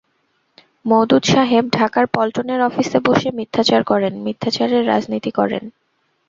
মওদুদ সাহেব ঢাকার পল্টনের অফিসে বসে মিথ্যাচার করেন, মিথ্যাচারের রাজনীতি করেন।